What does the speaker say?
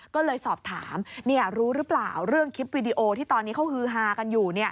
ก็เลยสอบถามรู้หรือเปล่าเรื่องคลิปวิดีโอที่ตอนนี้เขาฮือฮากันอยู่